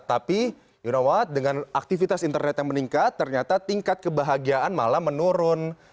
tapi you know what dengan aktivitas internet yang meningkat ternyata tingkat kebahagiaan malah menurun